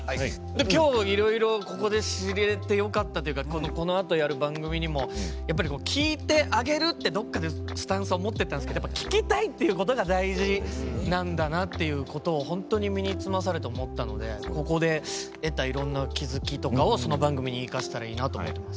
今日いろいろここで知れてよかったというかこのあとやる番組にも、やっぱり聴いてあげるって、どっかでスタンスを持ってたんすけどやっぱ聴きたいっていうことが大事なんだなっていうことを本当に身につまされて思ったのでここで得たいろんな気付きとかをその番組に生かせたらいいなと思ってます。